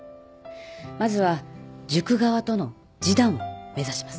まずは塾側との示談を目指します。